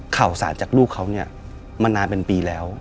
ข่าวสารจากลูกเขามันนานเป็นปีแล้ว